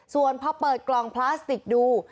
ส่วนพอเปิดกล่องพลาสติกดู